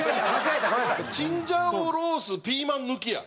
チンジャオロースピーマン抜きや！